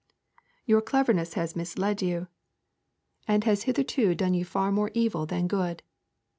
Your cleverness has misled you and has hitherto done you far more evil than good.